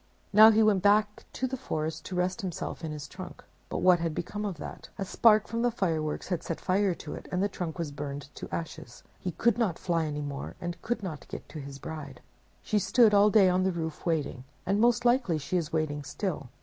Now he went back to the forest to rest himself in his trunk. But what had become of that? A spark from the fireworks had set fire to it, and the trunk was burned to ashes. He could not fly any more, and could not get to his bride. She stood all day on the roof waiting; and most likely she is waiting still.